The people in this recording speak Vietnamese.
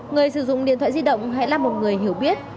người sử dụng điện thoại di động hãy là một người hiểu biết